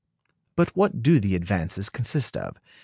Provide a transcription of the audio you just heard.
But what do the advances consist of?